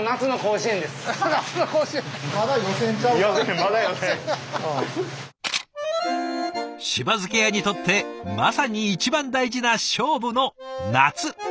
しば漬け屋にとってまさに一番大事な勝負の夏。